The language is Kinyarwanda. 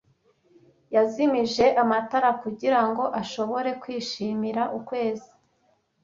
Yazimije amatara kugirango ashobore kwishimira ukwezi.